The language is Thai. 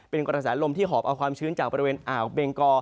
เป็นกระแสลมที่หอบเอาความชื้นจากบริเวณอ่าวเบงกอ